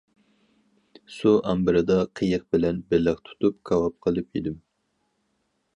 سۇ ئامبىرىدا قېيىق بىلەن بېلىق تۇتۇپ كاۋاپ قىلىپ يېدىم.